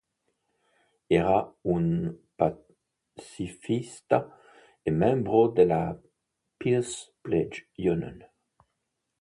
Era un pacifista e membro della Peace Pledge Union.